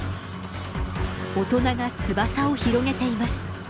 大人が翼を広げています。